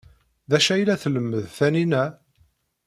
D acu ay la tlemmed Taninna?